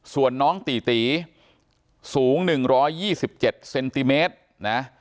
ส่วนน้องตีตีสูง๑๒๗เซนติเมตรนะ